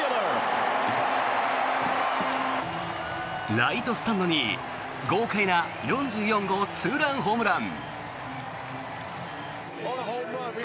ライトスタンドに豪快な４４号ツーランホームラン。